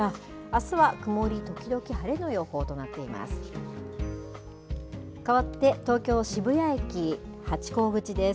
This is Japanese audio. あすは曇り時々晴れの予報となっています。